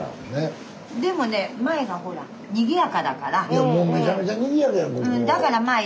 いやもうめちゃめちゃにぎやかやんここ。